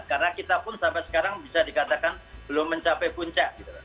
karena kita pun sampai sekarang bisa dikatakan belum mencapai puncak